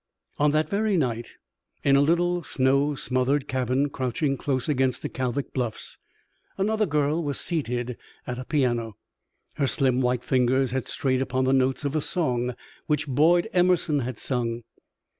On that very night, in a little, snow smothered cabin crouching close against the Kalvik bluffs, another girl was seated at a piano. Her slim, white fingers had strayed upon the notes of a song which Boyd Emerson had sung.